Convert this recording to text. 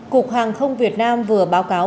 cục hàng không việt nam vừa báo cáo